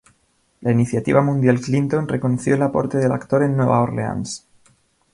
La Iniciativa Mundial Clinton reconoció el aporte del actor en Nueva Orleans.